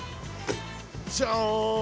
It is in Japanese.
じゃん！